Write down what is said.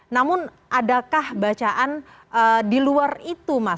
namun adakah bacaan di luar itu mas